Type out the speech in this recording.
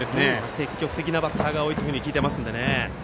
積極的なバッターが多いと聞いていますね。